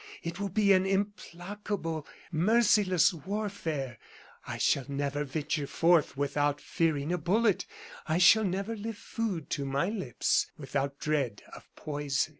It will be an implacable, merciless warfare. I shall never venture forth without fearing a bullet; I shall never lift food to my lips without dread of poison.